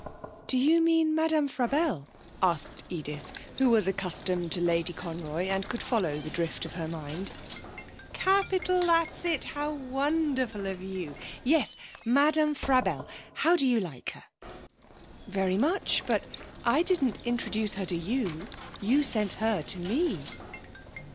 'Do you mean Madame Frabelle?' asked Edith, who was accustomed to Lady Conroy, and could follow the drift of her mind. 'Capital! That's it. How wonderful of you! Yes, Madame Frabelle. How do you like her?' 'Very much. But I didn't introduce her to you. You sent her to me.'